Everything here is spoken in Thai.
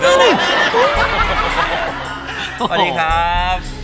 สวัสดีครับ